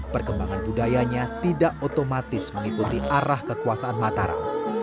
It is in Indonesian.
perkembangan budayanya tidak otomatis mengikuti arah kekuasaan mataram